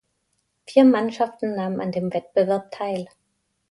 Vier Mannschaften nahmen an dem Wettbewerb teil.